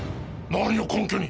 何を根拠に！？